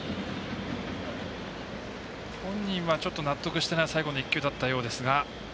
本人は納得していない最後の１球だったようですが。